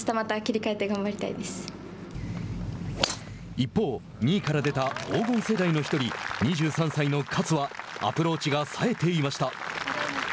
一方、２位から出た黄金世代の１人、２３歳の勝はアプローチがさえていました。